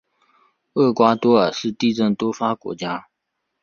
厄瓜多尔是地震多发国家。